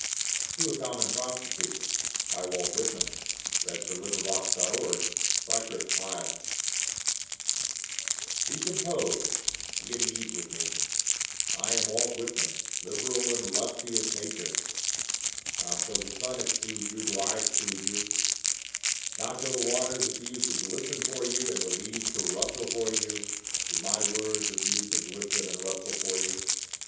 at you or any one must approach creations through such laws? To a Common Prostitute Be composed be at ease with me I am Walt Whitman, liberal and lusty as Nature, Not till the sun excludes you do I exclude you, Not till the waters refuse to glisten for you and the leaves to rustle for you, do my words refuse to glisten and rustle for you.